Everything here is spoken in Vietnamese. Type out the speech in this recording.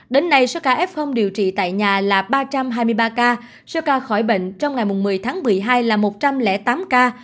đến nay số ca f điều trị tại nhà là ba trăm hai mươi ba ca số ca khỏi bệnh trong ngày một mươi tháng một mươi hai là một trăm linh tám ca